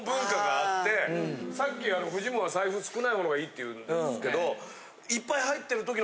さっきフジモンは財布少ない方のがいいって言うんですけど。